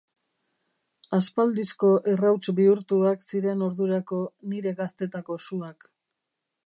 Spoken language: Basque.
Aspaldisko errauts bihurtuak ziren ordurako nire gaztetako suak.